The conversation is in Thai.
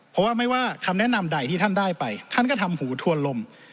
เพราะว่าไม่ว่าคำแนะนำใดที่ท่านได้ไปท่านก็ทำหูทัวร์ลม